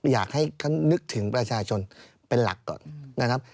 อยากให้ท่านนึกถึงประชาชนเป็นหลักก่อนนะครับ